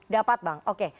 dapat bang oke